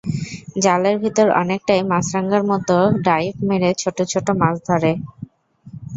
জালের ভেতর অনেকটাই মাছরাঙার মতো ডাইভ মেরে ছোট ছোট মাছ ধরে।